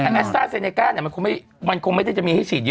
แต่แอสต้าเซเนก้ามันคงไม่ได้จะมีให้ฉีดเยอะ